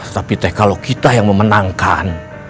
tapi teh kalau kita yang memenangkan